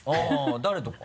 誰とか？